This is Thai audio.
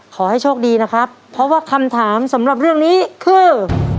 ขอให้โชคดีนะครับเพราะว่าคำถามสำหรับเรื่องนี้คือ